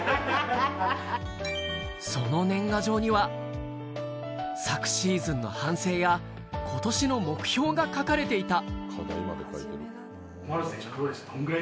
その年賀状には、昨シーズンの反省や、ことしの目標が書かれていた。